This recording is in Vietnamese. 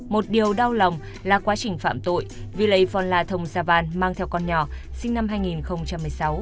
một điều đau lòng là quá trình phạm tội villei phonla thong savan mang theo con nhỏ sinh năm hai nghìn một mươi sáu